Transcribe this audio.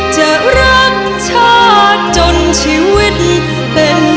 จะรักชาติจนชีวิตเป็นผุยพงษ์